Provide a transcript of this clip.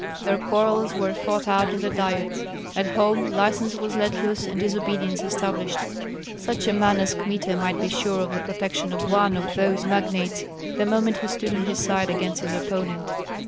Their quarrels were fought out in the diets; at home license was let loose and disobedience established. Such a man as Kmita might be sure of the protection of one of those magnates the moment he stood on his side against his opponent.